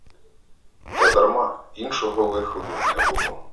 Та дарма, іншого виходу не було.